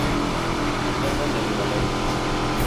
Se encuentra en el Himalaya.